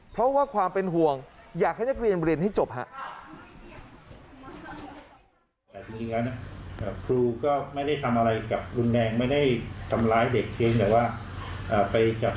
เพราะว่าความเป็นห่วงอยากให้นักเรียนเรียนให้จบครับ